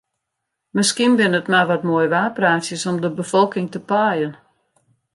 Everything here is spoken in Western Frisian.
Miskien binne it mar wat moaiwaarpraatsjes om de befolking te paaien.